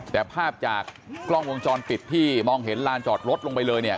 แต่ภาพจากกล้องวงจรปิดที่มองเห็นลานจอดรถลงไปเลยเนี่ย